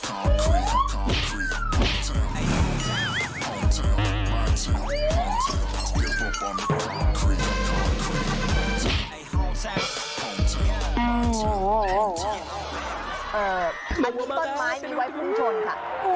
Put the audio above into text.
อันนี้ต้นไม้นี้ไว้พุ่งชนค่ะ